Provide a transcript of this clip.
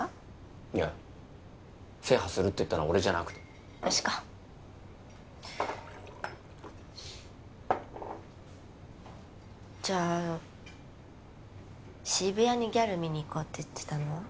いや制覇するって言ったのは俺じゃなくて私かじゃあ渋谷にギャル見にいこうって言ってたのは？